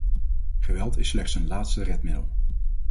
Geweld is slechts een laatste redmiddel.